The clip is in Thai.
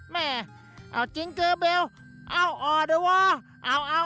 แม่เอาจิงเกอร์เบลเอาอ่อด้วยว่า